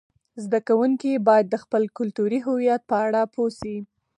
زده کوونکي باید د خپل کلتوري هویت په اړه پوه سي.